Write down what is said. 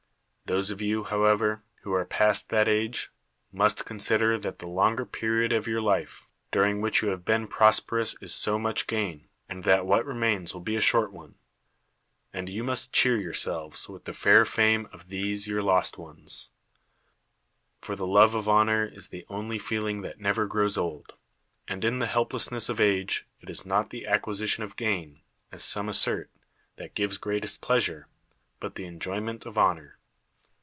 Those of you, however, who are past that age, must consider that the longer period of your life during which you have 25 THE WORLD'S FAMOUS ORATIONS been prosperous is so much gain, and that what remains will be a short one ; and you must cheer ^ ourselves with the fair fame of these [your lost ones]. For the love of honor is the only feelinpr that never grows old; and in the helplessness of age it is not the acquisition of gain, as some as sert, that gives gi eatest pleasure, but the enjoy ment of honor.